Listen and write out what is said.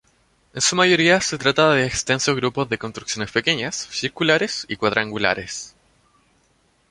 En su mayoría se trata de extensos grupos de construcciones pequeñas, circulares y cuadrangulares.